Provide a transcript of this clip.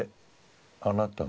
「あなたの」。